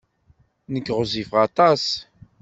Nekk ɣezzifeɣ aṭas.